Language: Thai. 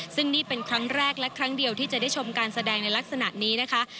ซึ่งนี่เป็นครั้งแรกและครั้งเดียวที่จะได้ชมการแสดงในลักษณะนี้นะคะ